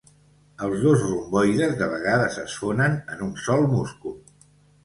Els dos romboides de vegades es fonen en un sol múscul.